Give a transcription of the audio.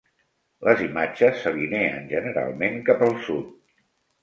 Les imatges s'alineen generalment cap al sud.